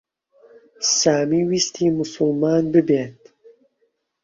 سامی ویستی موسڵمان ببێت.